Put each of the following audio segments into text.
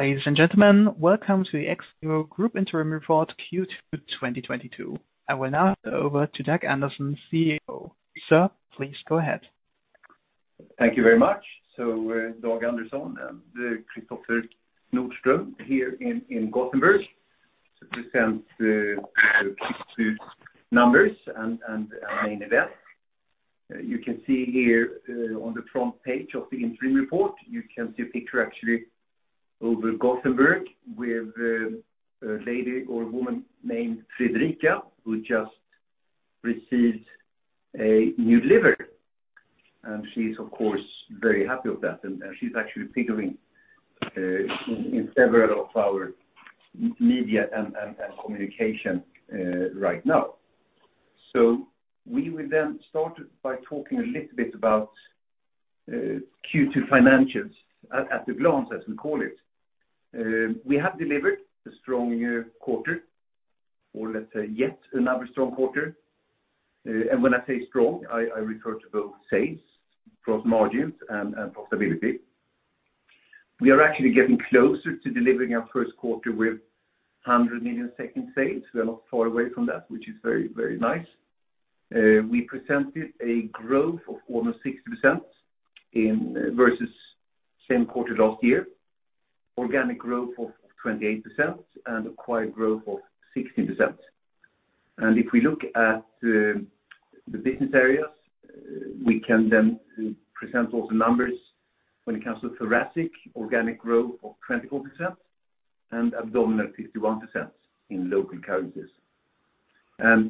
Ladies and gentlemen, welcome to the XVIVO Perfusion Interim Report Q2 2022. I will now hand over to Dag Andersson, CEO. Sir, please go ahead. Thank you very much. Dag Andersson and Kristoffer Nordström here in Gothenburg to present the Q2 numbers and main event. You can see here on the front page of the interim report, you can see a picture actually over Gothenburg with a lady or woman named Frederica who just received a new delivery. She's, of course, very happy of that. She's actually figuring in several of our media and communication right now. We will then start by talking a little bit about Q2 financials at a glance, as we call it. We have delivered a strong quarter, or let's say yet another strong quarter. When I say strong, I refer to both sales, gross margins and profitability. We are actually getting closer to delivering our Q1 with 100 million sales. We are not far away from that, which is very, very nice. We presented a growth of almost 60% versus same quarter last year. Organic growth of 28% and acquired growth of 16%. If we look at the business areas, we can then present all the numbers. When it comes to thoracic, organic growth of 24% and abdominal 51% in local currencies.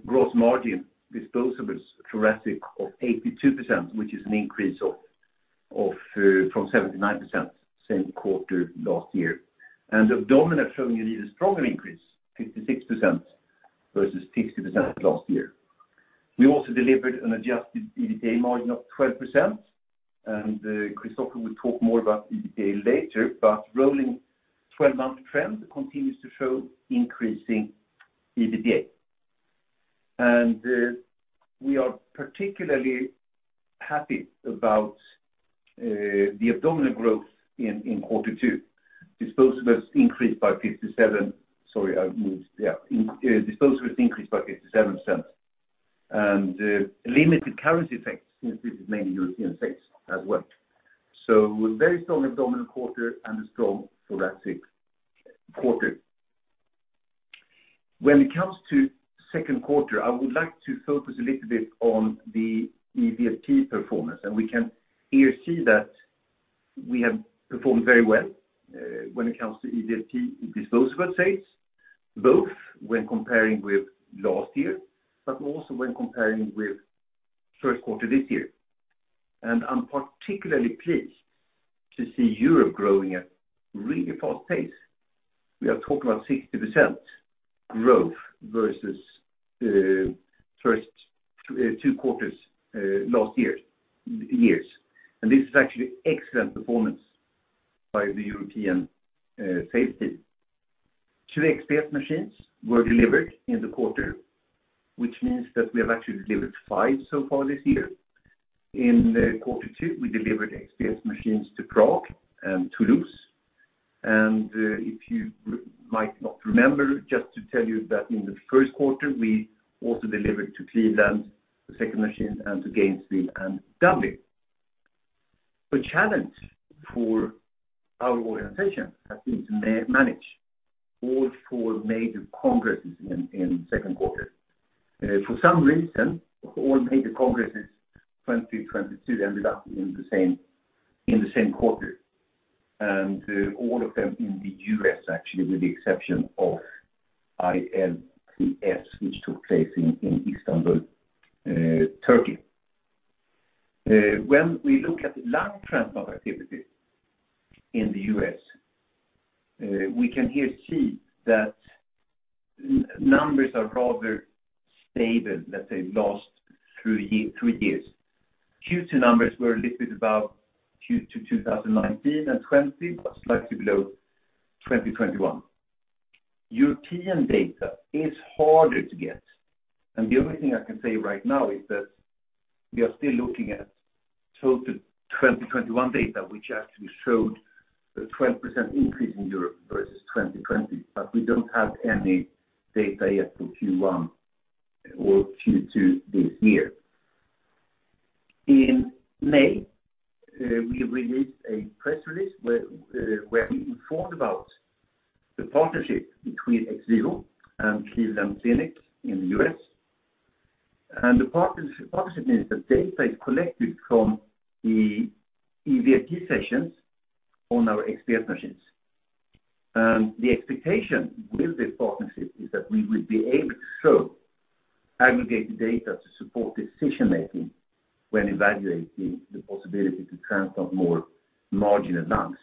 Gross margin disposables thoracic of 82%, which is an increase from 79% same quarter last year. Abdominal showing an even stronger increase, 56% versus 60% last year. We also delivered an Adjusted EBITDA margin of 12%. Christofer will talk more about EBITDA later, but rolling 12-month trend continues to show increasing EBITDA. We are particularly happy about the Abdominal growth in Q2. Disposables increased by 57%. Limited currency effects since this is mainly European sales as well. A very strong Abdominal quarter and a strong Thoracic quarter. When it comes to see Q2, I would like to focus a little bit on the EVLP performance. We can here see that we have performed very well when it comes to EVLP disposable sales, both when comparing with last year, but also when comparing with Q1 this year. I'm particularly pleased to see Europe growing at really fast pace. We are talking about 60% growth versus first two quarters last year. This is actually excellent performance by the European sales team. Two XPS machines were delivered in the quarter, which means that we have actually delivered five so far this year. In Q2, we delivered XPS machines to Prague and Toulouse. If you might not remember, just to tell you that in Q1, we also delivered to Cleveland, the second machine, and to Gainesville and Dublin. The challenge for our organization has been to manage all four major congresses in Q2. For some reason, all major congresses 2022 ended up in the same quarter. All of them in the U.S., actually, with the exception of ILCS, which took place in Istanbul, Turkey. When we look at the long trend of activity in the U.S., we can here see that numbers are rather stable, let's say last three years. Q2 numbers were a little bit above 2019 and 2020, but slightly below 2021. European data is harder to get, and the only thing I can say right now is that we are still looking at total 2021 data, which actually showed a 12% increase in Europe versus 2020. We don't have any data yet for Q1 or Q2 this year. In May, we released a press release where we informed about the partnership between XVIVO and Cleveland Clinic in the U.S.. The partnership means that data is collected from the EVLP sessions on our XPS machines. The expectation with this partnership is that we will be able to show aggregated data to support decision-making when evaluating the possibility to transport more marginal lungs.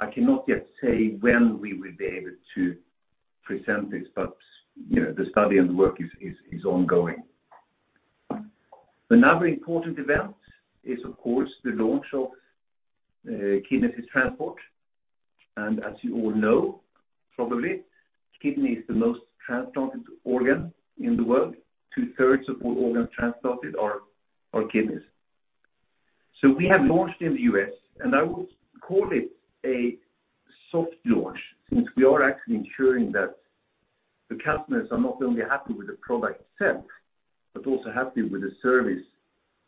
I cannot yet say when we will be able to present this, but, you know, the study and the work is ongoing. Another important event is, of course, the launch of Kidney Assist Transport. As you all know, the kidney is the most transplanted organ in the world. 2/3 of all organs transplanted are kidneys. We have launched in the U.S., and I would call it a soft launch, since we are actually ensuring that the customers are not only happy with the product itself, but also happy with the service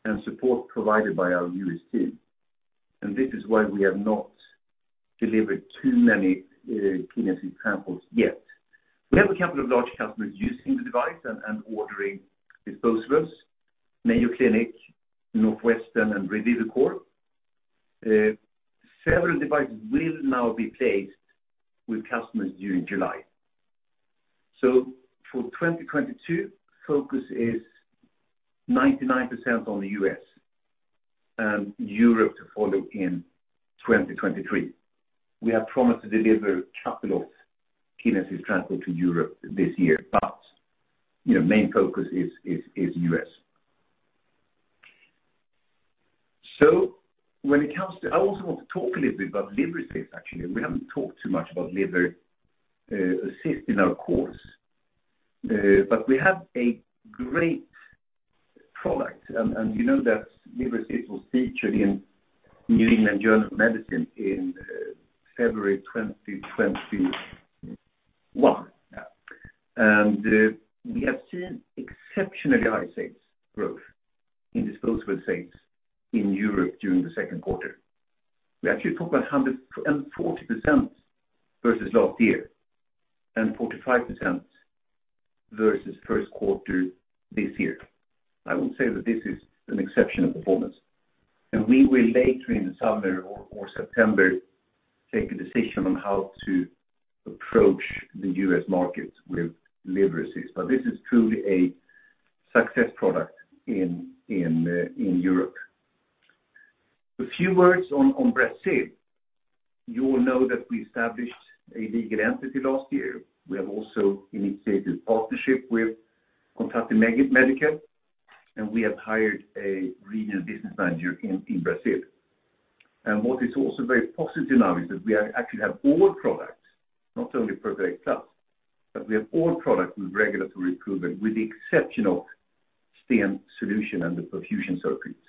and support provided by our U.S. team. This is why we have not delivered too many kidney samples yet. We have a couple of large customers using the device and ordering disposables, Mayo Clinic, Northwestern Medicine, and Renalytix. Several devices will now be placed with customers during July. For 2022, focus is 99% on the U.S., and Europe to follow in 2023. We have promised to deliver a couple of Kidney Assist Transport to Europe this year, but you know, main focus is U.S.. I also want to talk a little bit about Liver Assist, actually. We haven't talked too much about Liver Assist of course. But we have a great product. You know that Liver Assist was featured in New England Journal of Medicine in February 2021. We have seen exceptionally high sales growth in disposable sales in Europe during the Q2. We actually talk about 140% versus last year, and 45% versus Q1 this year. I would say that this is an exceptional performance. We will later in the summer or September take a decision on how to approach the US market with Liver Assist. This is truly a success product in Europe. A few words on Brazil. You will know that we established a legal entity last year. We have also initiated partnership with Contatto Medical, and we have hired a regional business manager in Brazil. What is also very positive now is that we actually have all products, not only Perfadex Plus, but we have all products with regulatory approval, with the exception of STEEN Solution and the perfusion circuits.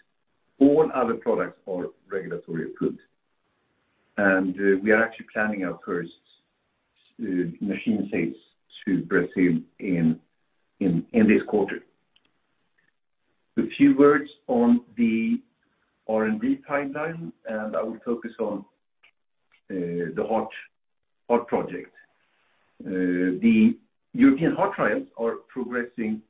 All other products are regulatory approved. We are actually planning our first machine sales to Brazil in this quarter. A few words on the R&D timeline, and I will focus on the heart project. The European heart trials are progressing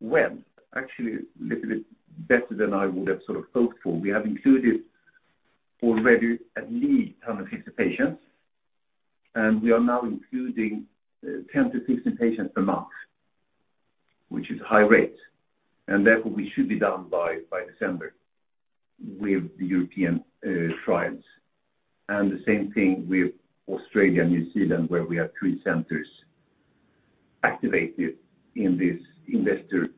well, actually a little bit better than I would have sort of hoped for. We have included already at least 100 patients, and we are now including 10-15 patients per month, which is a high rate. Therefore we should be done by December with the European trials. The same thing with Australia and New Zealand, where we have three centers activated in this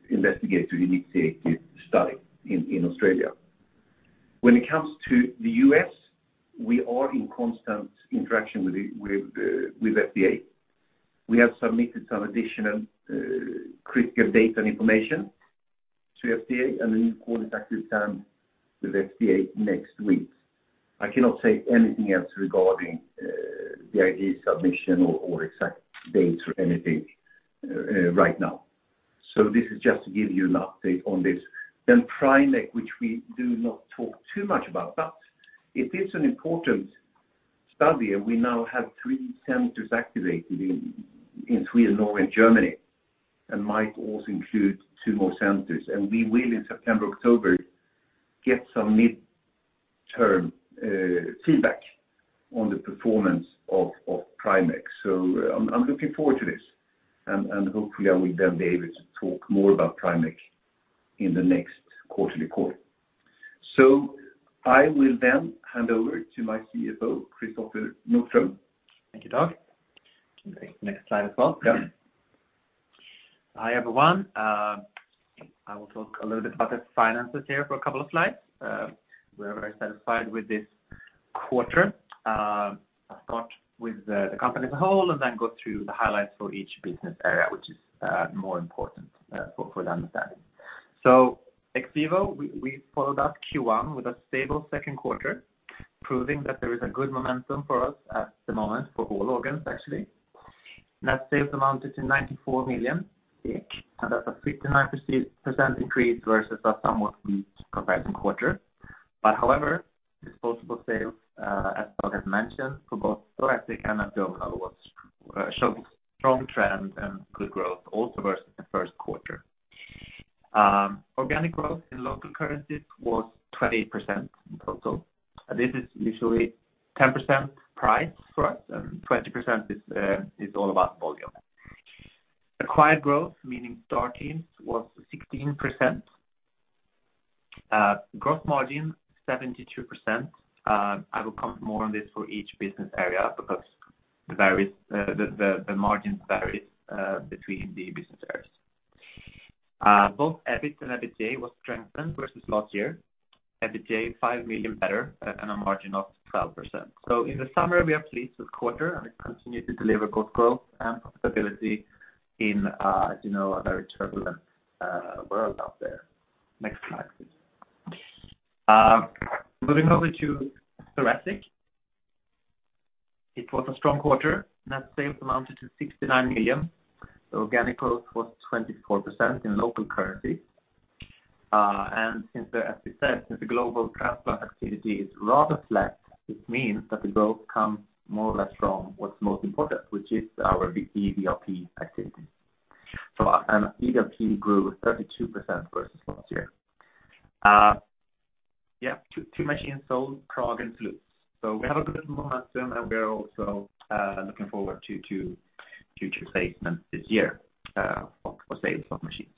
investigator-initiated study in Australia. When it comes to the U.S., we are in constant interaction with the FDA. We have submitted some additional critical data and information to the FDA, and a new call is actually done with the FDA next week. I cannot say anything else regarding the IDE submission or exact dates or anything right now. This is just to give you an update on this. PrimECC, which we do not talk too much about, but it is an important study, and we now have three centers activated in Sweden, Norway, and Germany, and might also include two more centers. We will in September, October, get some midterm feedback on the performance of PrimECC. I'm looking forward to this. Hopefully I will then be able to talk more about PrimECC in the next quarterly call. I will then hand over to my CFO, Kristoffer Nordström. Thank you, Dag. Next slide as well. Yeah. Hi, everyone. I will talk a little bit about the finances here for a couple of slides. We're very satisfied with this quarter. I'll start with the company as a whole, and then go through the highlights for each business area, which is more important for understanding. XVIVO, we followed up Q1 with a stable Q2, proving that there is a good momentum for us at the moment for whole organs, actually. Net sales amounted to 94 million, and that's a 59% increase versus a somewhat weak comparison quarter. However, disposable sales, as Dag has mentioned, for both thoracic and abdominal showed strong trend and good growth also versus the Q1. Organic growth in local currencies was 20% in total. This is usually 10% price for us, and 20% is all about volume. Acquired growth, meaning STAR Teams, was 16%. Gross margin, 72%. I will comment more on this for each business area because it varies, the margins vary between the business areas. Both EBIT and EBITDA was strengthened versus last year. EBITDA 5 million better and a margin of 12%. In the summary, we are pleased with quarter and we continue to deliver good growth and profitability in, you know, a very turbulent world out there. Next slide, please. Moving over to thoracic. It was a strong quarter. Net sales amounted to 69 million. Organic growth was 24% in local currency. As we said, since the global transplant activity is rather flat, it means that the growth comes more or less from what's most important, which is our EVLP activity. EVLP grew 32% versus last year. Two machines sold, Prague and Toulouse. We have a good momentum, and we're also looking forward to future placements this year for sales of machines.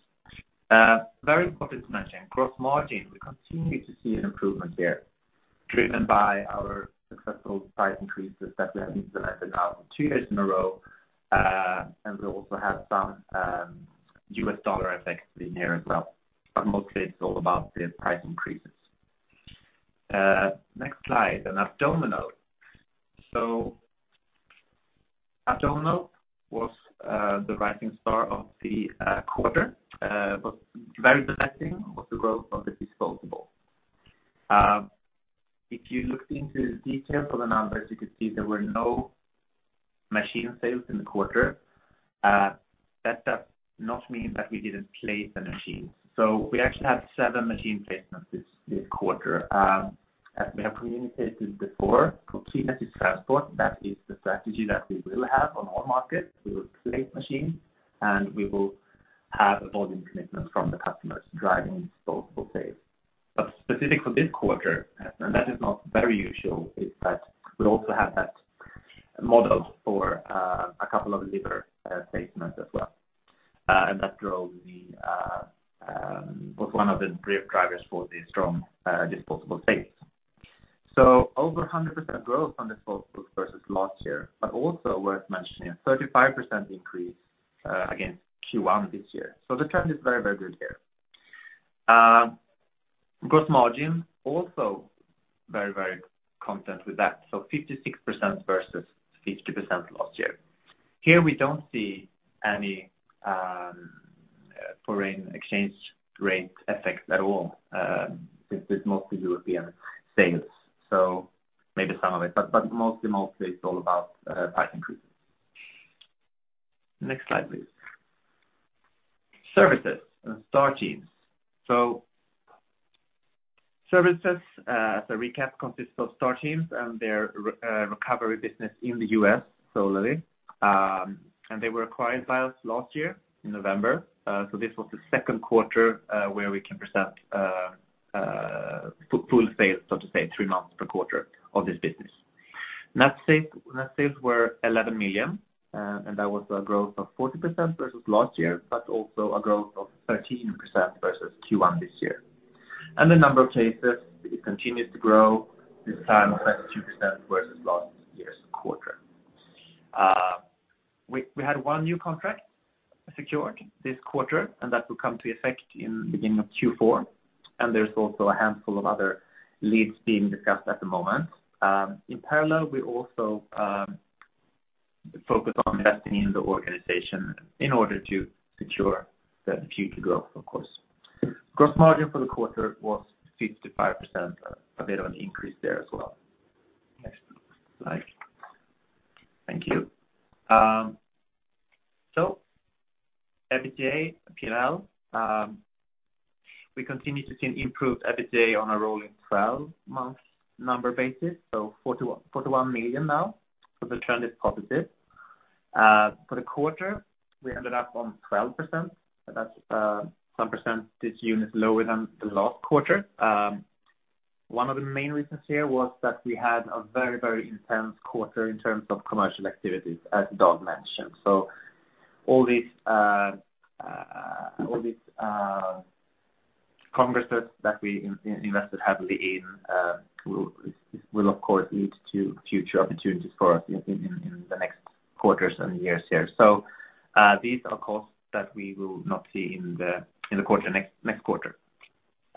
Very important to mention, gross margin. We continue to see an improvement here driven by our successful price increases that we have implemented now two years in a row. We also have some US dollar effects in here as well, but mostly it's all about the price increases. Next slide, Abdominal. Abdominal was the rising star of the quarter. Very pleasing was the growth of the disposable. If you looked into the details of the numbers, you could see there were no machine sales in the quarter. That does not mean that we didn't place the machines. We actually had seven machine placements this quarter. As we have communicated before, procurement and transport. That is the strategy that we will have on all markets. We will place machines, and we will have a volume commitment from the customers driving disposable sales. Specific for this quarter, and that is not very usual, is that we also have that model for a couple of liver placements as well. That was one of the drivers for the strong disposable sales. Over 100% growth on disposables versus last year, but also worth mentioning, a 35% increase against Q1 this year. The trend is very, very good here. Gross margin also very, very content with that, 56% versus 50% last year. Here we don't see any foreign exchange rate effects at all, since it's mostly European sales. Maybe some of it, but mostly it's all about price increases. Next slide, please. Services and STAR Teams. Services, as a recap, consists of STAR Teams and their recovery business in the U.S. solely. They were acquired by us last year in November. This was the Q2 where we can present full sales, so to say, three months per quarter of this business. Net sales were 11 million, and that was a growth of 40% versus last year, but also a growth of 13% versus Q1 this year. The number of cases continued to grow, this time at 2% versus last year's quarter. We had one new contract secured this quarter, and that will come to effect in beginning of Q4. There's also a handful of other leads being discussed at the moment. In parallel, we also focus on investing in the organization in order to secure the future growth, of course. Gross margin for the quarter was 55%, a bit of an increase there as well. Next slide. Thank you. EBITDA, P&L, we continue to see an improved EBITDA on a rolling 12-month number basis, 41 million now. The trend is positive. For the quarter, we ended up on 12%. That's some percent this unit is lower than the last quarter. One of the main reasons here was that we had a very intense quarter in terms of commercial activities, as Dag mentioned. All these congresses that we invested heavily in will of course lead to future opportunities for us in the next quarters and years here. These are costs that we will not see in the next quarter.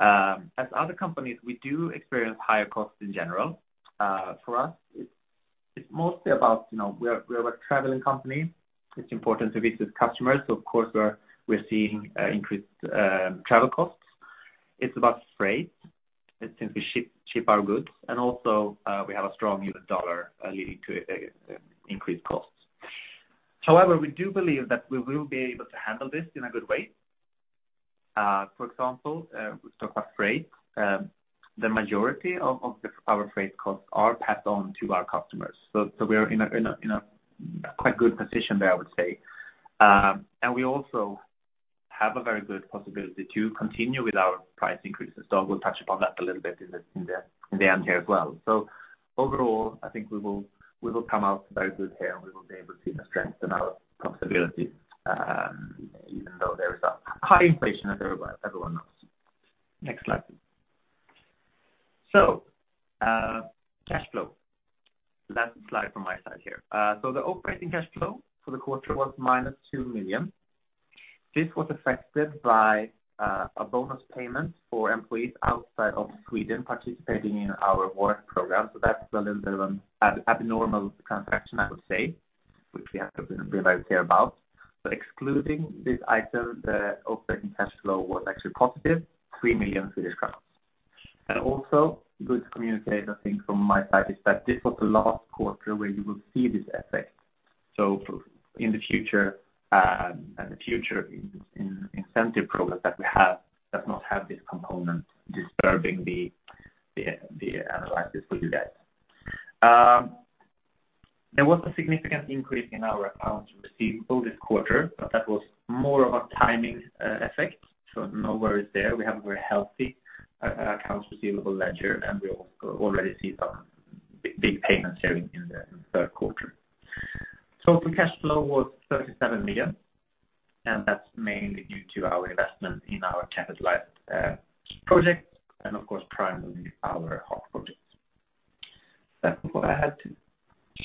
As other companies, we do experience higher costs in general. For us, it's mostly about, you know, we are a traveling company. It's important to visit customers. Of course, we're seeing increased travel costs. It's about freight, since we ship our goods. We have a strong US dollar leading to increased costs. However, we do believe that we will be able to handle this in a good way. For example, we talk about freight. The majority of our freight costs are passed on to our customers. We're in a quite good position there, I would say. We also have a very good possibility to continue with our price increases. Dag will touch upon that a little bit in the end here as well. Overall, I think we will come out very good here, and we will be able to strengthen our profitability, even though there is a high inflation, as everyone knows. Next slide, please. That's a slide from my side here. The operating cash flow for the quarter was minus, 2 million. This was affected by a bonus payment for employees outside of Sweden participating in our award program. That's a little bit of an abnormal transaction I would say, which we have to be very clear about. Excluding this item, the operating cash flow was actually positive, 3 million Swedish crowns. Also good to communicate, I think from my side, is that this was the last quarter where you will see this effect. In the future, the incentive programs that we have does not have this component disturbing the analysis for you guys. There was a significant increase in our accounts receivable this quarter, but that was more of a timing effect. No worries there. We have a very healthy accounts receivable ledger, and we already see some big payments there in the Q3. Free cash flow was 37 million, and that's mainly due to our investment in our capitalized project and of course primarily our heart projects. That's what I had to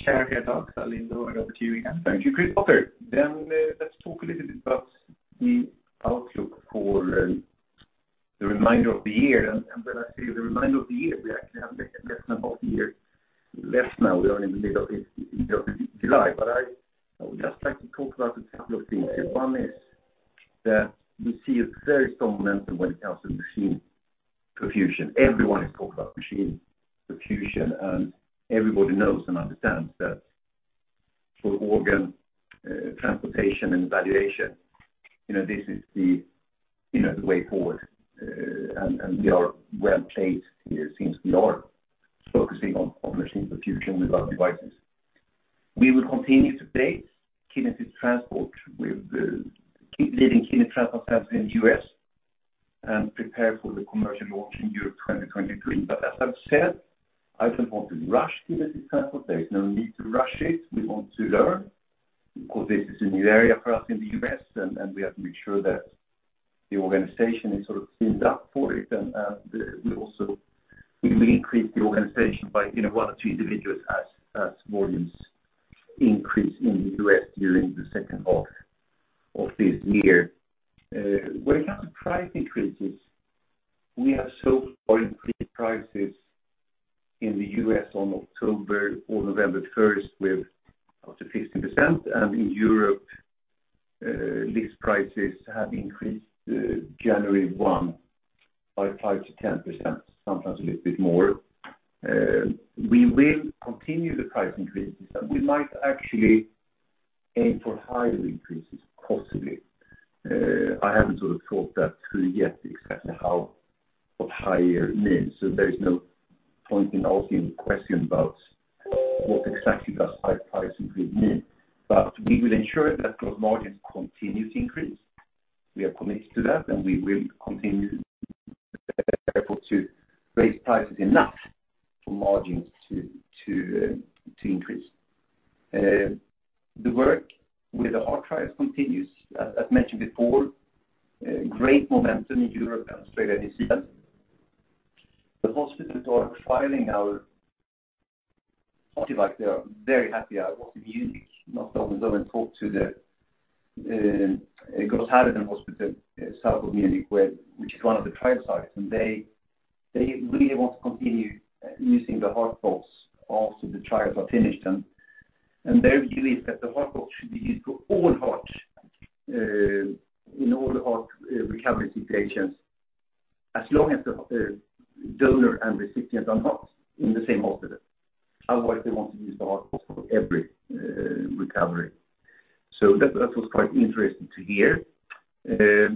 share here today. I'll hand over to you again. Thank you, Kristoffer. Let's talk a little bit about the outlook for the remainder of the year. When I say the remainder of the year, we actually have less than half the year left now. We are in the middle of July. I would just like to talk about a couple of things here. One is that we see a very strong momentum when it comes to machine perfusion. Everyone is talking about machine perfusion, and everybody knows and understands that for organ transplantation and evaluation, you know, this is the way forward. We are well-placed here since we are focusing on machine perfusion with our devices. We will continue to date Kidney Assist Transport with keep leading Kidney Assist Transport studies in the U.S. and prepare for the commercial launch in Europe 2023. As I've said, I don't want to rush Kidney Assist Transport. There is no need to rush it. We want to learn because this is a new area for us in the U.S., and we have to make sure that the organization is sort of teamed up for it. We also, we will increase the organization by, you know, one or two individuals as volumes increase in the U.S. during the second half of this year. When it comes to price increases, we have so far increased prices in the U.S. on October or November 1st with up to 15%. In Europe, list prices have increased January 1, by 5%-10%, sometimes a little bit more. We will continue the price increases, and we might actually aim for higher increases, possibly. I haven't sort of thought that through yet exactly how or higher means. There is no point in asking the question about what exactly does high price increase mean. We will ensure that gross margins continue to increase. We are committed to that, and we will continue therefore to raise prices enough for margins to increase. The work with the heart trials continues. As I've mentioned before, great momentum in Europe and Australia, New Zealand. The hospitals are filing our Like they are very happy. I was in Munich last October and talked to the Klinikum Großhadern in south of Munich, which is one of the trial sites. They really want to continue using the HeartPulse after the trials are finished. Their view is that the HeartPulse should be used for all hearts in all heart recovery situations, as long as the donor and recipient are not in the same hospital. Otherwise, they want to use the HeartPulse for every recovery. That was quite interesting to hear. We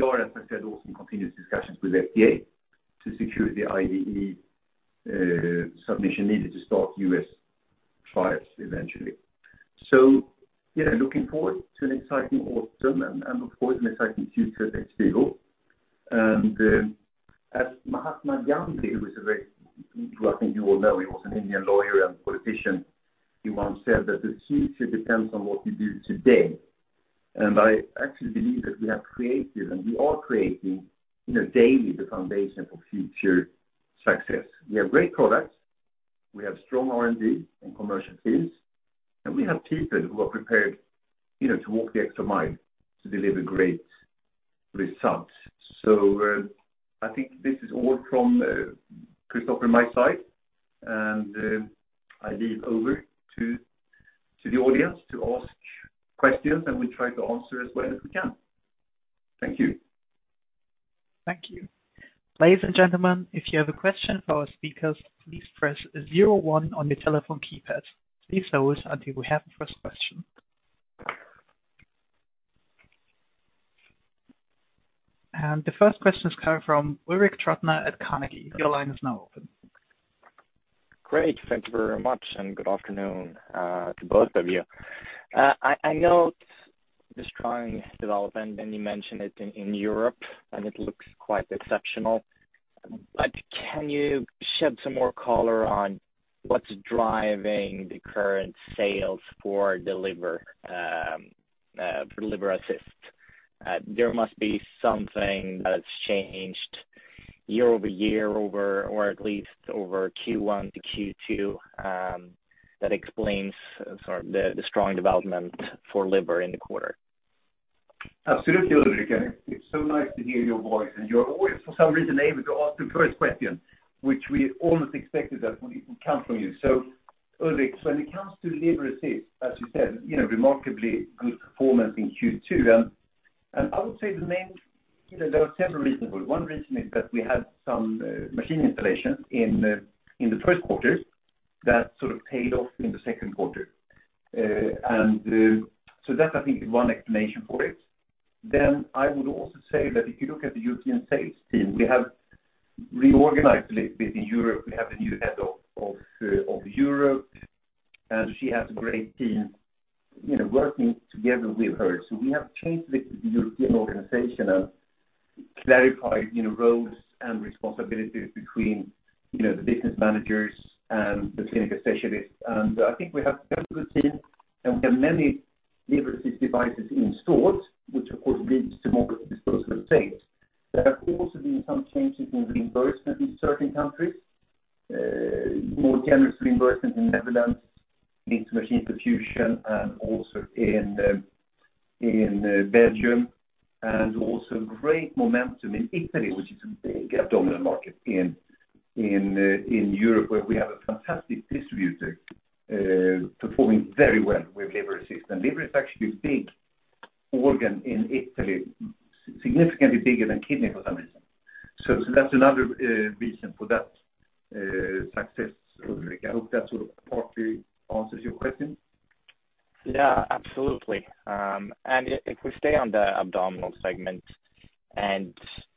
are, as I said, also in continuous discussions with FDA to secure the IDE submission needed to start US trials eventually. Yeah, looking forward to an exciting autumn and of course an exciting future at XVIVO as Mahatma Gandhi, who is a very I think you all know, he was an Indian lawyer and politician. He once said that, "The future depends on what we do today." I actually believe that we have created and we are creating, you know, daily the foundation for future success. We have great products, we have strong R&D and commercial teams, and we have people who are prepared, you know, to walk the extra mile to deliver great results. I think this is all from Kristoffer and my side. I leave over to the audience to ask questions, and we'll try to answer as well as we can. Thank you. Thank you. Ladies and gentlemen, if you have a question for our speakers, please press zero one on your telephone keypad. Please pause until we have the first question. The first question is coming from Ulrik Trattner at Carnegie. Your line is now open. Great. Thank you very much, and good afternoon to both of you. I know the strong development, and you mentioned it in Europe, and it looks quite exceptional. Can you shed some more color on what's driving the current sales for Liver Assist? There must be something that has changed year-over-year, or at least over Q1 to Q2, that explains sort of the strong development for Liver in the quarter. Absolutely, Ulrik. It's so nice to hear your voice, and you're always, for some reason, able to ask the first question, which we almost expected that would come from you. Ulrik, when it comes to Liver Assist, as you said, you know, remarkably good performance in Q2. I would say you know, there are several reasons for it. One reason is that we had some machine installations in the Q1 that sort of paid off in the Q2. That's, I think, one explanation for it. I would also say that if you look at the European sales team, we have reorganized a little bit in Europe. We have a new head of Europe, and she has a great team, you know, working together with her. We have changed the European organization and clarified, you know, roles and responsibilities between, you know, the business managers and the clinic specialists. I think we have a very good team, and we have many Liver Assist devices in stores, which of course leads to more disposable sales. There have also been some changes in reimbursement in certain countries, more generous reimbursement in Netherlands in machine perfusion, and also in Belgium, and also great momentum in Italy, which is a big Abdominal market in Europe, where we have a fantastic distributor performing very well with Liver Assist. Liver is actually a big organ in Italy, significantly bigger than kidney for some reason. That's another reason for that success, Ulrik. I hope that sort of partly answers your question. Yeah, absolutely. If we stay on the Abdominal segment and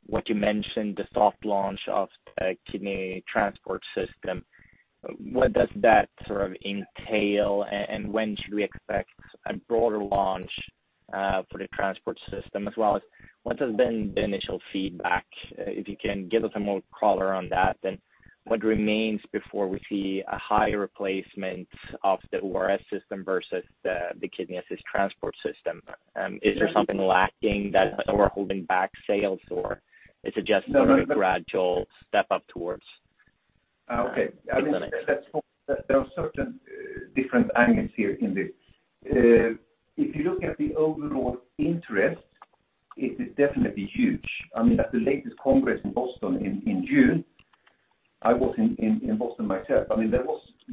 what you mentioned, the soft launch of Kidney Assist Transport, what does that sort of entail, and when should we expect a broader launch for the transport system, as well as what has been the initial feedback? If you can give us some more color on that, then what remains before we see a high replacement of the ORS system versus the Kidney Assist Transport? Is there something lacking that, or holding back sales, or is it just? No, no. Sort of a gradual step up towards. Okay. The clinics. There are certain different angles here in this. If you look at the overall interest, it is definitely huge. I mean, at the latest congress in Boston in June, I was in Boston myself. I mean, there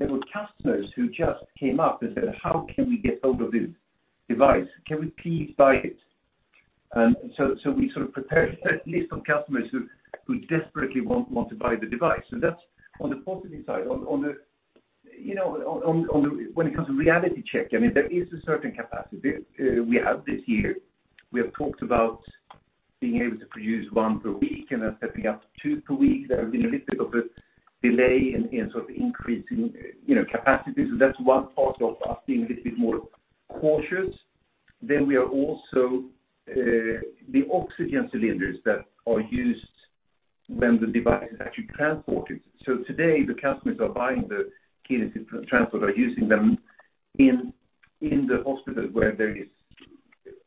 were customers who just came up and said, "How can we get hold of this device? Can we please buy it?" So we sort of prepared a list of customers who desperately want to buy the device. So that's on the positive side. On the, you know, when it comes to reality check, I mean, there is a certain capacity we have this year. We have talked about being able to produce one per week and then stepping up to two per week. There has been a little bit of a delay in sort of increasing, you know, capacity. That's one part of us being a little bit more cautious. We are also the oxygen cylinders that are used when the device is actually transported. Today, the customers are buying the Kidney Transport are using them in the hospital where there is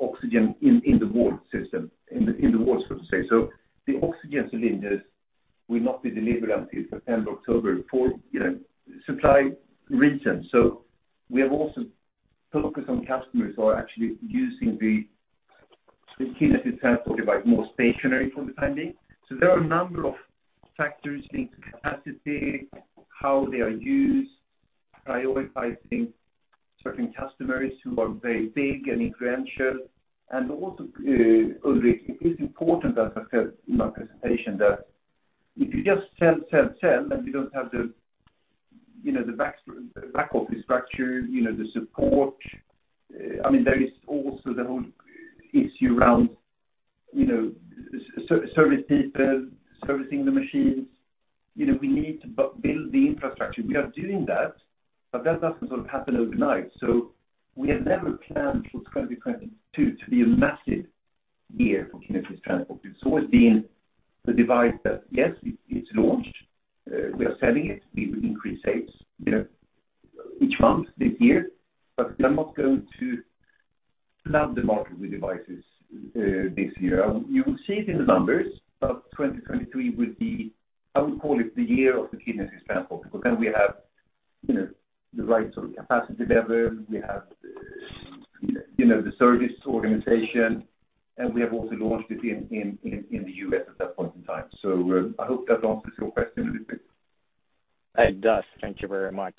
oxygen in the wall system, in the wall, so to say. The oxygen cylinders will not be delivered until September, October for, you know, supply reasons. We have also focused on customers who are actually using the Kidney Transport device more stationary for the time being. There are a number of factors linked to capacity, how they are used, prioritizing certain customers who are very big and influential. Ulrik, it is important, as I said in my presentation, that if you just sell, sell, and you don't have the, you know, the ops, the back office structure, you know, the support, I mean, there is also the whole issue around, you know, service people servicing the machines. You know, we need to build the infrastructure. We are doing that, but that doesn't sort of happen overnight. We have never planned for 2022 to be a massive year for kidney transport. It's always been the device that, yes, it's launched, we are selling it, we will increase sales, you know, each month this year, but we are not going to flood the market with devices, this year. You will see it in the numbers, but 2023 will be, I would call it the year of the Kidney Assist Transport, because then we have, you know, the right sort of capacity level. We have, you know, the service organization, and we have also launched it in the U.S. at that point in time. I hope that answers your question, Ulrik. It does. Thank you very much.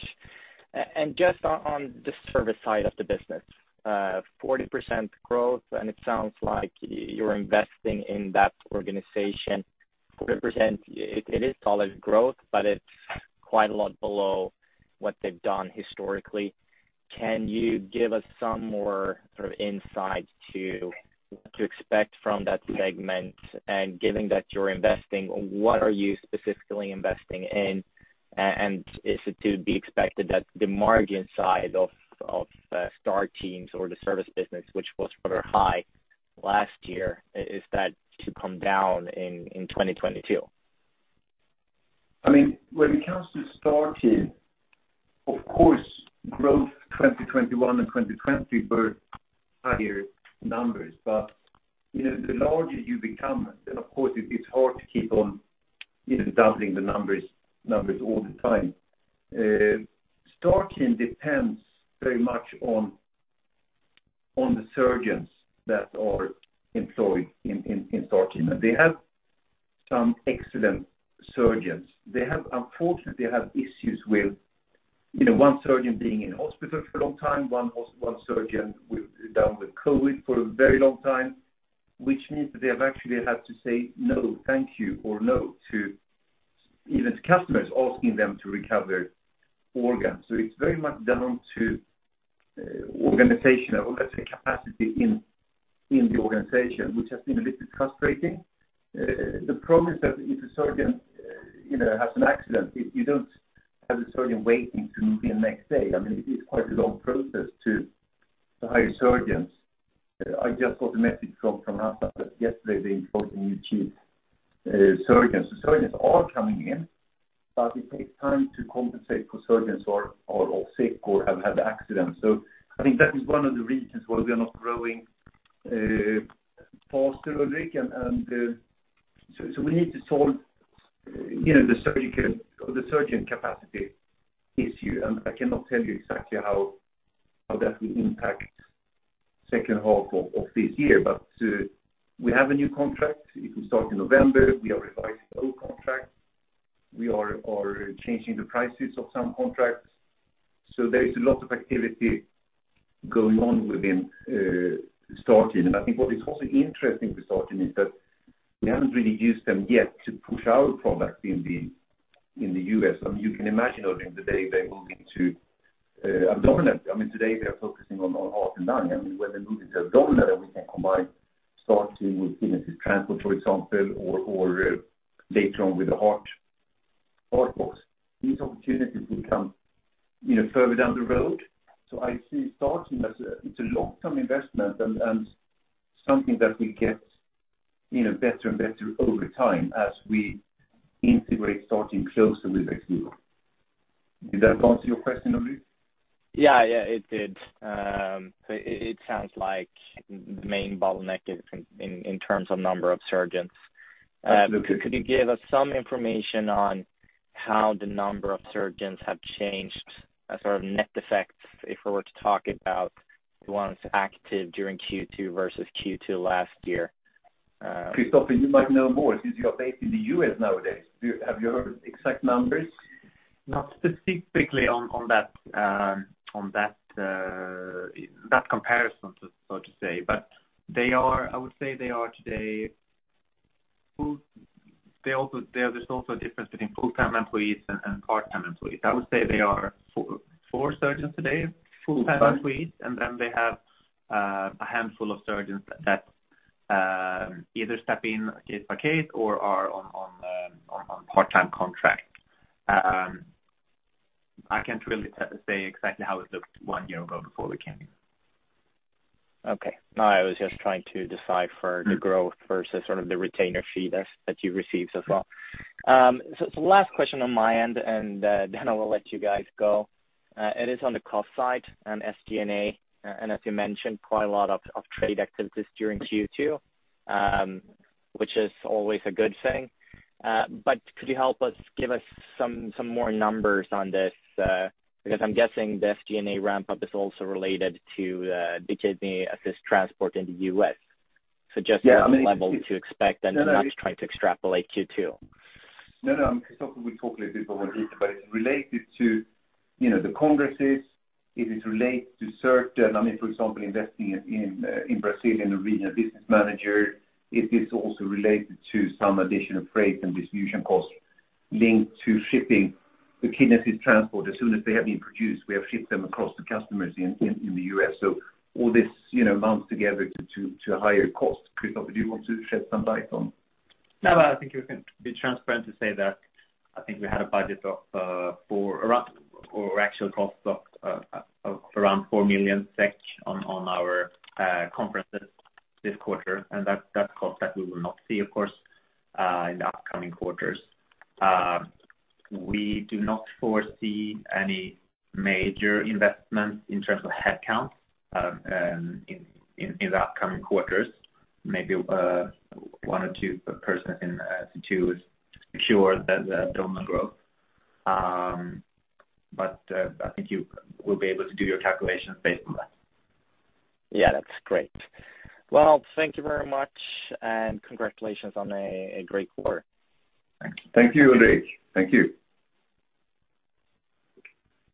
Just on the service side of the business, 40% growth, and it sounds like you're investing in that organization. 40%, it is solid growth, but it's quite a lot below what they've done historically. Can you give us some more sort of insight to what to expect from that segment? Given that you're investing, what are you specifically investing in? Is it to be expected that the margin side of STAR Teams or the service business, which was rather high last year, is that to come down in 2022? I mean, when it comes to STAR Teams, of course, growth 2021 and 2020 were higher numbers. You know, the larger you become, then of course it's hard to keep on, you know, doubling the numbers all the time. STAR Teams depends very much on the surgeons that are employed in STAR Teams. They have some excellent surgeons. Unfortunately, they have issues with, you know, one surgeon being in hospital for a long time, one surgeon down with COVID for a very long time, which means that they have actually had to say, "No, thank you," or no to even customers asking them to recover organs. It's very much down to organization or let's say, capacity in the organization, which has been a little bit frustrating. The problem is that if a surgeon, you know, has an accident, you don't have a surgeon waiting to be in next day. I mean, it is quite a long process to hire surgeons. I just got a message from Åsa that yesterday they employed a new chief surgeon. Surgeons are coming in, but it takes time to compensate for surgeons or sick or have had accidents. I think that is one of the reasons why we are not growing faster, Ulrik. We need to solve, you know, the surgical or the surgeon capacity issue. I cannot tell you exactly how that will impact second half of this year. We have a new contract. It will start in November. We are revising old contracts. We are changing the prices of some contracts. There is a lot of activity going on within STAR Teams. I think what is also interesting with STAR Teams is that we haven't really used them yet to push our products in the US. I mean, you can imagine during the day they move into Abdominal. I mean, today they are focusing on heart and lung. I mean, when they move into Abdominal, then we can combine STAR Teams with kidney transplant, for example, or later on with the heart box. These opportunities will come, you know, further down the road. I see STAR Teams as it's a long-term investment and something that will get, you know, better and better over time as we integrate STAR Teams closer with XVIVO. Did that answer your question, Ulrik? Yeah. Yeah, it did. It sounds like main bottleneck is in terms of number of surgeons. Absolutely. Could you give us some information on how the number of surgeons have changed as sort of net effects if we were to talk about the ones active during Q2 versus Q2 last year? Kristoffer, you might know more since you are based in the U.S. nowadays. Have you heard the exact numbers? Not specifically on that comparison, so to say, but I would say they are today full-time employees. There's also a difference between full-time employees and part-time employees. I would say there are four surgeons today, full-time employees. They have a handful of surgeons that either step in case by case or are on part-time contract. I can't really say exactly how it looked one year ago before we came. Okay. No, I was just trying to decipher. Mm-hmm. the growth versus sort of the retainer fee that you received so far. So last question on my end, then I will let you guys go. It is on the cost side and SG&A. And as you mentioned, quite a lot of trade activities during Q2, which is always a good thing. But could you help us give us some more numbers on this? Because I'm guessing the SG&A ramp-up is also related to the Kidney Assist Transport in the U.S.. Just. Yeah, I mean it's. What level to expect and. No, no. I'm not trying to extrapolate Q2. No, no. Kristoffer will talk a little bit about it, but it's related to, you know, the congresses. It is related to certain, I mean, for example, investing in Brazilian regional business manager. It is also related to some additional freight and distribution costs linked to shipping the Kidney Assist Transport. As soon as they have been produced, we have shipped them across to customers in the U.S. All this, you know, amounts together to higher costs. Kristoffer, do you want to shed some light on? No, no. I think you can be transparent to say that I think we had a budget of around SEK 4 million or actual cost of around SEK 4 million on our conferences this quarter. That cost that we will not see, of course, in the upcoming quarters. We do not foresee any major investments in terms of headcount in the upcoming quarters. Maybe one or two persons to secure the Abdominal growth. I think you will be able to do your calculations based on that. Yeah, that's great. Well, thank you very much, and congratulations on a great quarter. Thank you. Thank you, Ulrik. Thank you.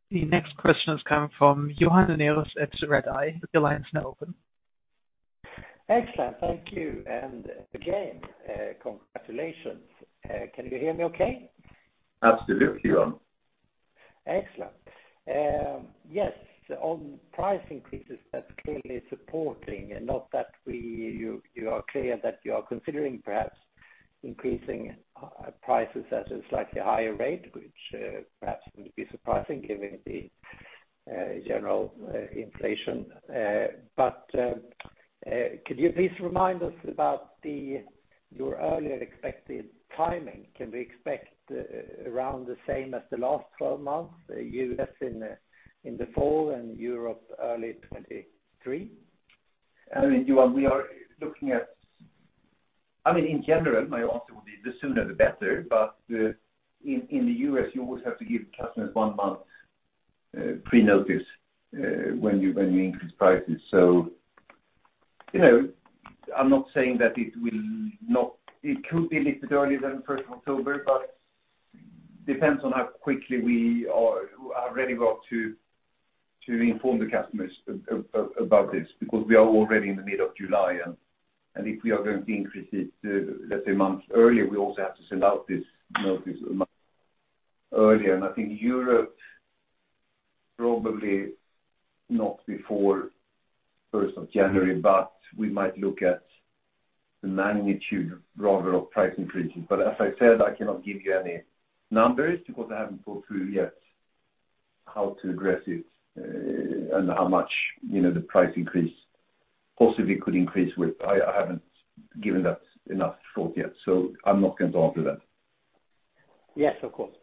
The next question is coming from Johan Unnérus at Redeye. Your line is now open. Excellent. Thank you. Again, congratulations. Can you hear me okay? Absolutely, Johan. Excellent. Yes, on price increases, that's clearly supporting. You are clear that you are considering perhaps increasing prices at a slightly higher rate, which perhaps would be surprising given the general inflation. Could you please remind us about your earlier expected timing? Can we expect around the same as the last 12 months, U.S. in the fall and Europe early 2023? I mean, Johan, in general, my answer will be the sooner the better, but in the U.S. you always have to give customers one month pre-notice when you increase prices. So, you know, I'm not saying that it will not. It could be a little bit earlier than first of October, but depends on how quickly we are ready well to inform the customers about this, because we are already in the middle of July and if we are going to increase it, let's say months earlier, we also have to send out this notice a month earlier. I think Europe probably not before 1st of January, but we might look at the magnitude rather of price increases. I cannot give you any numbers because I haven't thought through yet how to address it, and how much, you know, the price increase possibly could increase with. I haven't given that enough thought yet, so I'm not going to answer that. Yes, of course.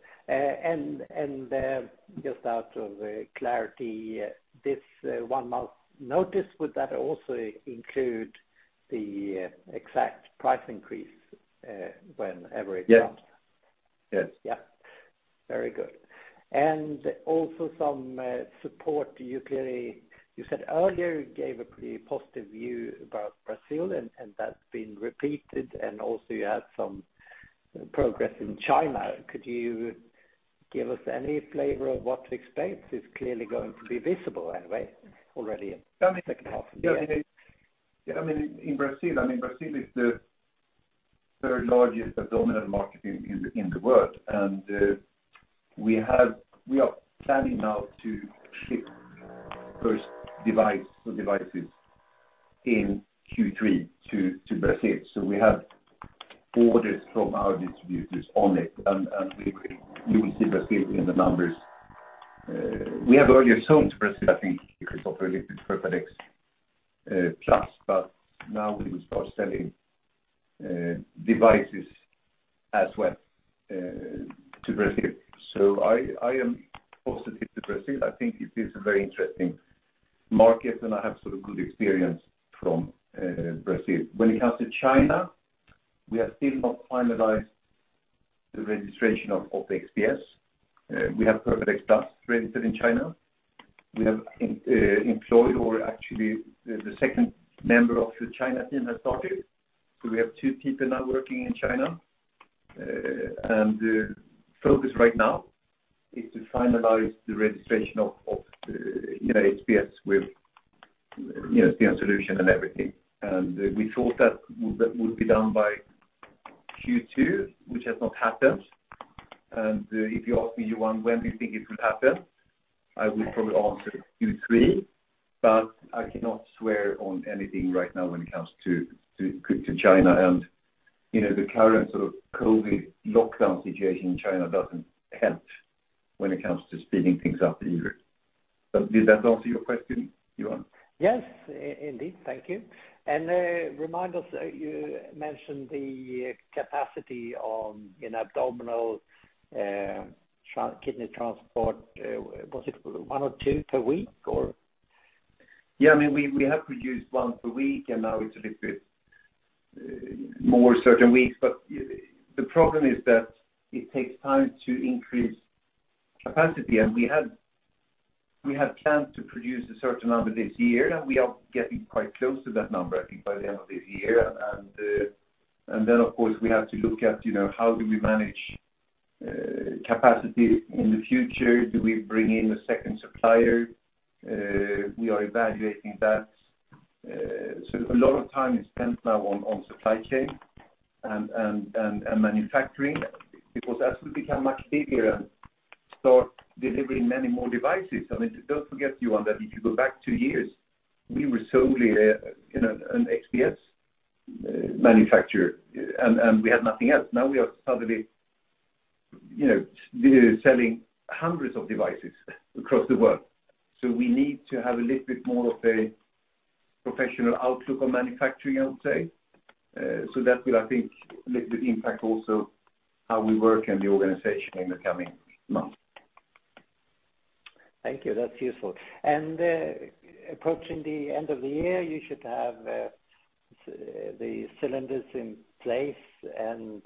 Just out of clarity, this one-month notice, would that also include the exact price increase, whenever it comes? Yes. Yes. Yeah. Very good. Also some support. You clearly, you said earlier, you gave a pretty positive view about Brazil and that's been repeated, and also you had some progress in China. Could you give us any flavor of what to expect? It's clearly going to be visible anyway already in the second half of the year. Yeah, I mean, in Brazil, I mean, Brazil is the third largest Abdominal market in the world. We are planning now to ship first device or devices in Q3 to Brazil. We have orders from our distributors on it and we will, you will see Brazil in the numbers. We have earlier sold to Brazil, I think, because of a little Perfadex Plus, but now we will start selling devices as well to Brazil. I am positive to Brazil. I think it is a very interesting market, and I have sort of good experience from Brazil. When it comes to China, we have still not finalized the registration of XPS. We have Perfadex Plus registered in China. We have employed or actually the second member of the China team has started. We have two people now working in China. The focus right now is to finalize the registration of, you know, XPS with, you know, the STEEN Solution and everything. We thought that would be done by Q2, which has not happened. If you ask me, Johan, when do you think it will happen? I would probably answer Q3, but I cannot swear on anything right now when it comes to to China and, you know, the current sort of COVID lockdown situation in China doesn't help when it comes to speeding things up either. Did that answer your question, Johan? Yes, indeed. Thank you. Remind us, you mentioned the capacity on an Abdominal kidney transport. Was it one or two per week or? Yeah. I mean, we have produced one per week, and now it's a little bit more in certain weeks. The problem is that it takes time to increase capacity. We had planned to produce a certain number this year, and we are getting quite close to that number, I think, by the end of this year. Of course, we have to look at, you know, how do we manage capacity in the future. Do we bring in a second supplier? We are evaluating that. A lot of time is spent now on supply chain and manufacturing, because as we become much bigger and start delivering many more devices, I mean, don't forget, Johan, that if you go back two years, we were solely a, you know, an XPS manufacturer and we had nothing else. Now we are suddenly, you know, selling hundreds of devices across the world. We need to have a little bit more of a professional outlook on manufacturing, I would say. That will, I think, a little bit impact also how we work in the organization in the coming months. Thank you. That's useful. Approaching the end of the year, you should have the cylinders in place and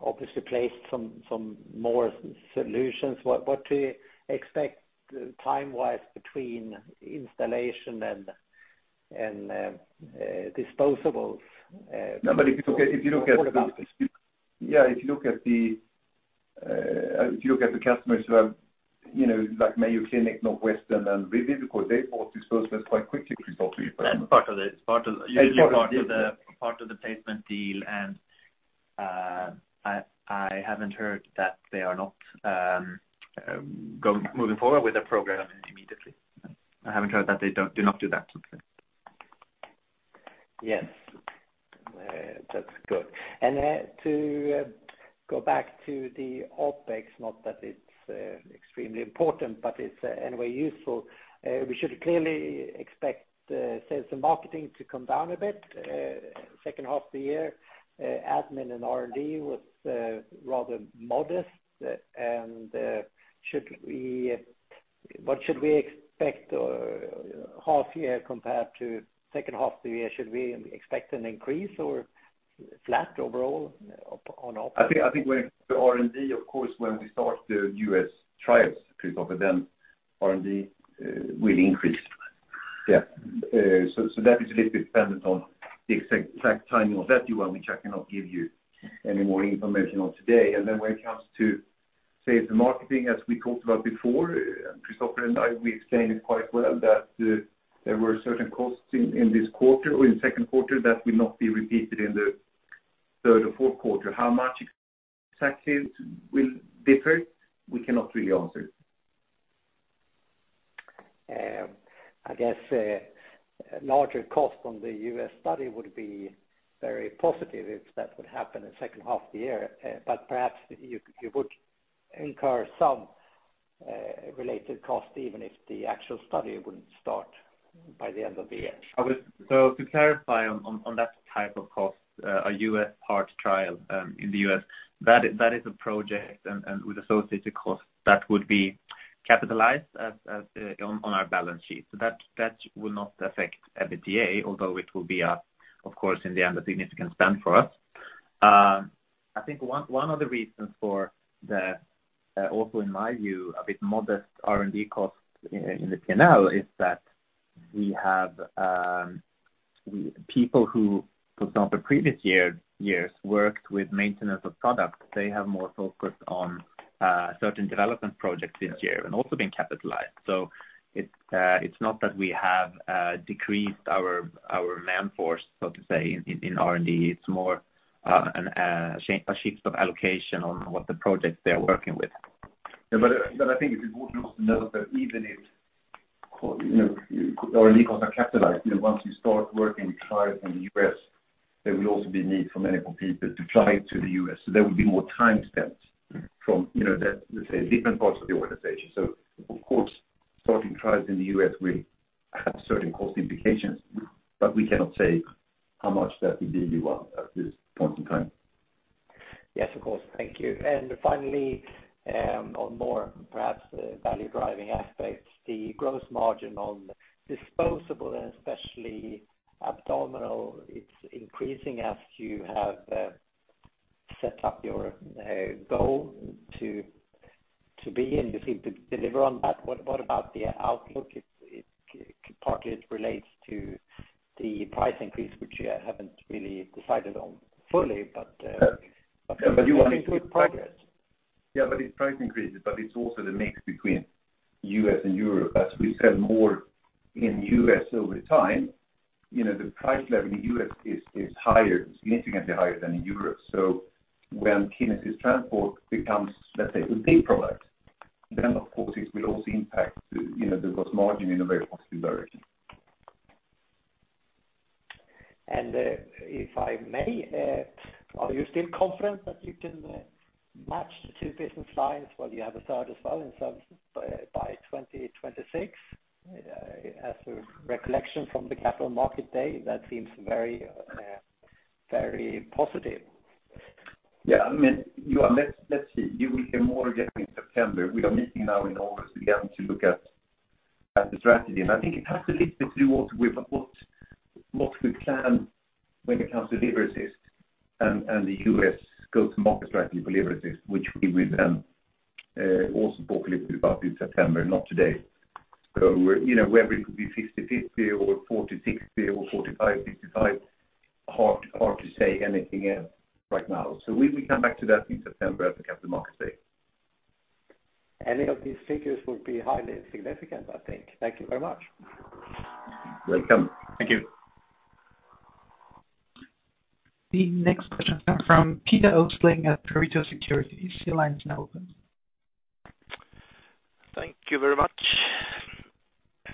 obviously placed some more solutions. What do you expect time-wise between installation and disposables? No, but if you look at the. What about it? Yeah, if you look at the customers who have, you know, like Mayo Clinic, Northwestern, and Vivid because they bought disposables quite quickly. It's part of the. And Johan did the. Part of the placement deal. I haven't heard that they are not moving forward with the program immediately. I haven't heard that they do not do that. Yes, that's good. To go back to the OpEx, not that it's extremely important, but it's anyway useful. We should clearly expect sales and marketing to come down a bit, second half of the year. Admin and R&D was rather modest. What should we expect first half year compared to second half the year? Should we expect an increase or flat overall OpEx? I think when the R&D, of course, when we start the U.S. trials, Kristoffer, then R&D will increase. Yeah. So that is a little dependent on the exact timing of that one, which I cannot give you any more information on today. When it comes to sales and marketing, as we talked about before, Kristoffer and I, we explained it quite well that there were certain costs in this quarter or in the Q2 that will not be repeated in the third or Q4. How much exactly it will differ, we cannot really answer. I guess larger cost on the US study would be very positive if that would happen in second half the year. But perhaps you would incur some related cost even if the actual study wouldn't start by the end of the year. To clarify on that type of cost, a US IDE trial in the U.S., that is a project and with associated costs that would be capitalized as on our balance sheet. That will not affect EBITDA, although it will be a, of course, in the end, a significant spend for us. I think one of the reasons for the also in my view, a bit modest R&D costs in the P&L is that we have people who, for example, previous years worked with maintenance of products. They have more focused on certain development projects this year and also been capitalized. It's not that we have decreased our manpower, so to say, in R&D. It's more a shift of allocation on what the projects they are working with. Yeah. I think it's important to note that even if you know, R&D costs are capitalized, you know, once you start working trials in the U.S., there will also be need for medical people to fly to the U.S.. There will be more time spent from, you know, the, let's say, different parts of the organization. Of course, starting trials in the U.S. will have certain cost implications, but we cannot say how much that will be well at this point in time. Yes, of course. Thank you. Finally, on more perhaps value-driving aspects, the gross margin on disposable and especially Abdominal, it's increasing as you have set up your goal to be in. You seem to deliver on that. What about the outlook? It partly relates to the price increase, which you haven't really decided on fully, but. Yeah. You are making good progress. Yeah, it's price increases, but it's also the mix between U.S. and Europe. As we sell more in U.S. over time, you know, the price level in the U.S. is higher, significantly higher than in Europe. When Kidney Assist Transport becomes, let's say, a paid product, then of course it will also impact, you know, the gross margin in a very positive direction. If I may, are you still confident that you can match the two business lines, well you have a third as well in services, by 2026? As a recollection from the capital market day, that seems very, very positive. Yeah. I mean, Johan, let's see. You will hear more again in September. We are meeting now in August again to look at the strategy. I think it has a little to do with what we plan when it comes to Liver Assist and the US go-to-market strategy for Liver Assist, which we will also talk a little bit about in September, not today. We're, you know, whether it could be 50-50 or 40-60 or 45-65, hard to say anything else right now. We come back to that in September at the Capital Markets Day. Any of these figures would be highly significant, I think. Thank you very much. Welcome. Thank you. The next question comes from Peter Östling at Pareto Securities. Your line is now open. Thank you very much.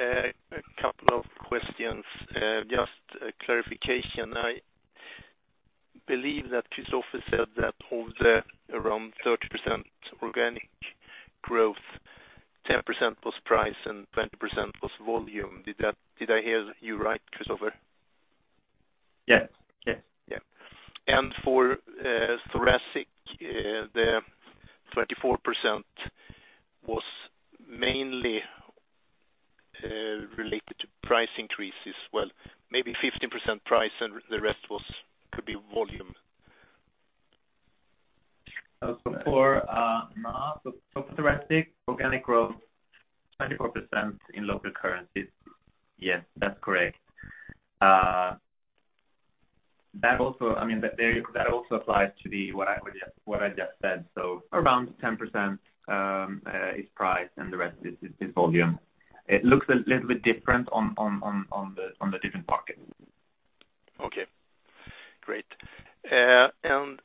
A couple of questions. Just a clarification. I believe that Kristoffer said that of the around 30% organic growth, 10% was price and 20% was volume. Did I hear you right, Kristoffer? Yes. Yes. Yeah. For thoracic, the 24% was mainly related to price increases. Well, maybe 15% price and the rest was could be volume. For Thoracic organic growth, 24% in local currencies. Yes, that's correct. That also—I mean, that also applies to what I just said. Around 10% is price and the rest is volume. It looks a little bit different on the different pockets. Can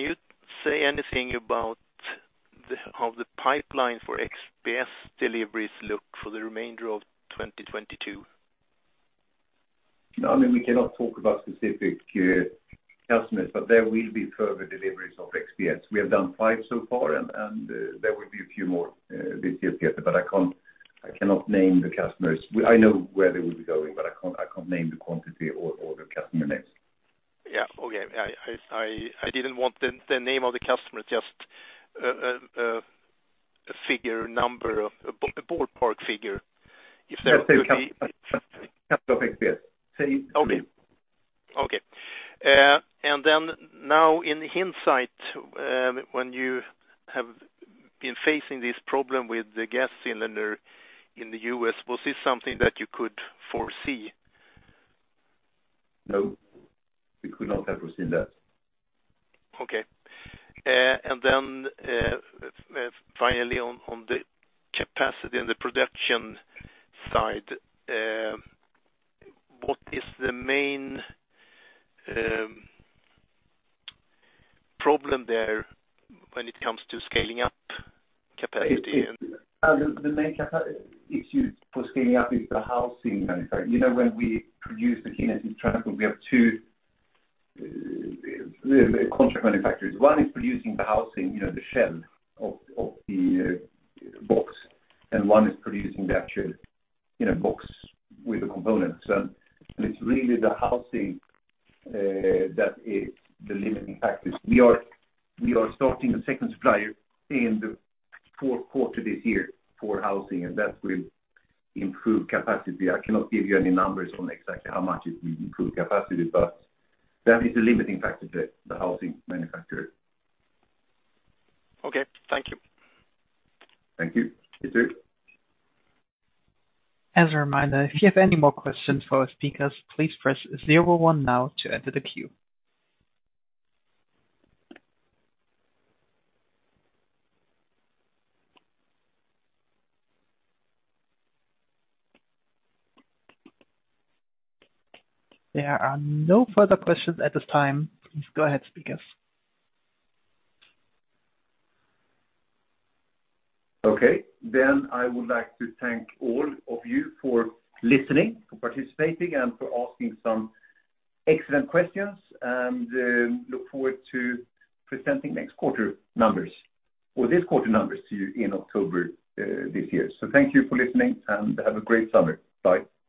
you say anything about how the pipeline for XPS deliveries look for the remainder of 2022? No. I mean, we cannot talk about specific customers, but there will be further deliveries of XPS. We have done five so far, and there will be a few more this year, Peter, but I cannot name the customers. I know where they will be going, but I can't name the quantity or the customer names. Yeah. Okay. I didn't want the name of the customer, just a ballpark figure if there will be. Just say couple of XPS. Okay. Now in hindsight, when you have been facing this problem with the gas cylinder in the U.S., was this something that you could foresee? No, we could not have foreseen that. Finally, on the capacity and the production side, what is the main problem there when it comes to scaling up capacity and. The main issue for scaling up is the housing manufacturer. You know, when we produce the Kidney Assist Transport, we have two contract manufacturers. One is producing the housing, you know, the shell of the box, and one is producing the actual, you know, box with the components. And it's really the housing that is the limiting factor. We are starting a second supplier in the Q4 this year for housing, and that will improve capacity. I cannot give you any numbers on exactly how much it will improve capacity, but that is the limiting factor, the housing manufacturer. Okay. Thank you. Thank you, Peter. As a reminder, if you have any more questions for our speakers, please press zero one now to enter the queue. There are no further questions at this time. Please go ahead, speakers. Okay. I would like to thank all of you for listening, for participating, and for asking some excellent questions and look forward to presenting next quarter numbers or this quarter numbers to you in October, this year. Thank you for listening, and have a great summer. Bye.